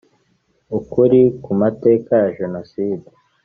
Ukuri ku mateka ya jenoside